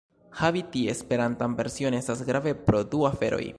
Havi tie Esperantan version estas grave pro du aferoj.